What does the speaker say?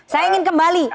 saya ingin kembali